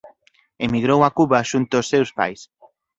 Emigrou a Cuba xunto aos seus pais.